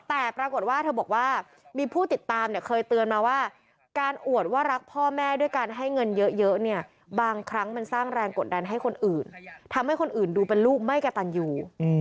แต่ปรากฏว่าเธอบอกว่ามีผู้ติดตามเนี่ยเคยเตือนมาว่าการอวดว่ารักพ่อแม่ด้วยการให้เงินเยอะเนี่ยบางครั้งมันสร้างแรงกดดันให้คนอื่นทำให้คนอื่นดูเป็นลูกไม่กระตันอยู่